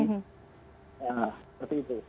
ya seperti itu